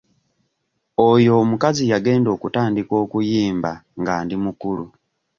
Oyo omukazi yagenda okutandika okuyimba nga ndi mukulu.